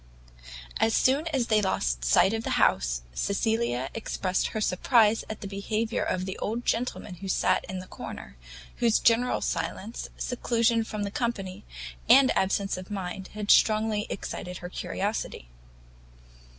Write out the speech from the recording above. As soon as they lost sight of the house, Cecilia expressed her surprise at the behaviour of the old gentleman who sat in the corner, whose general silence, seclusion from the company, and absence of mind, had strongly excited her curiosity.